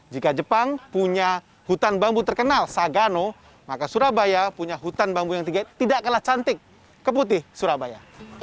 jika jepang punya hutan bambu terkenal sagano maka surabaya punya hutan bambu yang tidak kalah cantik keputih surabaya